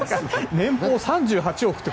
年俸３８億って。